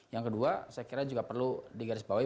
yang kedua saya kira juga perlu digaris bawah